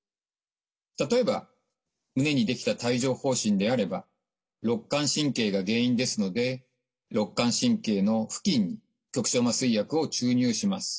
例えば胸にできた帯状ほう疹であればろっ間神経が原因ですのでろっ間神経の付近に局所麻酔薬を注入します。